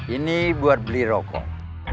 ini buat beli rokok